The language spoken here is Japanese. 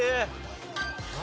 何？